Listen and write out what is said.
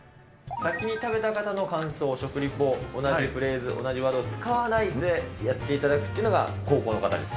先に食べた方の感想、食リポ、同じフレーズ、同じワードを使わないでやっていただくというのが後攻の方です。